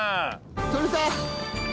取れた！